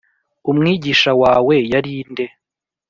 umwigisha wawe yari nde?